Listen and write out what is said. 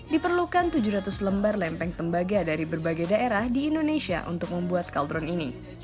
diperlukan tujuh ratus lembar lempeng tembaga dari berbagai daerah di indonesia untuk membuat kaldron ini